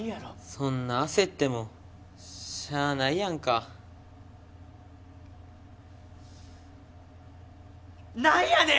そんな焦ってもしゃあないやんかなんやねん